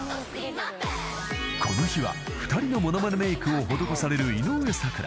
［この日は２人のものまねメイクを施される井上咲楽。